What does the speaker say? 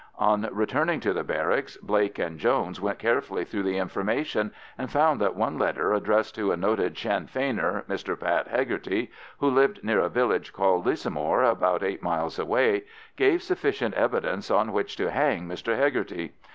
On returning to the barracks, Blake and Jones went carefully through the information, and found that one letter addressed to a noted Sinn Feiner, Mr Pat Hegarty, who lived near a village called Lissamore, about eight miles away, gave sufficient evidence on which to hang Mr Hegarty.